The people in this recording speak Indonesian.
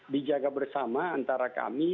dijaga bersama antara kami